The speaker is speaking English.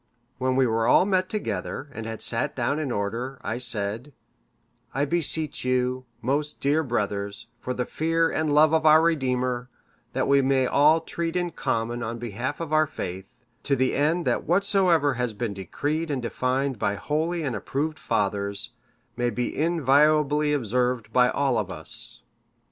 (566) When we were all met together, and had sat down in order, I said, 'I beseech you, most dear brothers, for the fear and love of our Redeemer, that we may all treat in common on behalf of our faith; to the end that whatsoever has been decreed and defined by holy and approved fathers, may be inviolably observed by all of us.